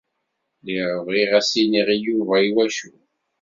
Lliɣ bɣiɣ ad s-iniɣ i Yuba iwacu.